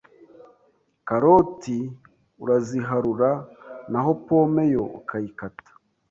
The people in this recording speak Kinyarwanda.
Karoti uraziharura naho pome yo ukayikata